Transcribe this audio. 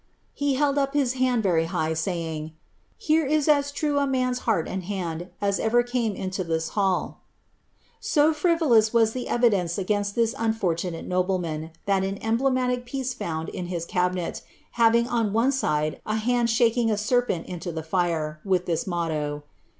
He held up his hand verv high, saying, " Here is as true a man's heart and band as ever came in:i' this hall." So frivolous was the evidence against (his unfortunate nobleraaji. Aii an emblematical piece found in his cabinet, having on one side a tunJ shaking a serpent hito the fire, with this motto.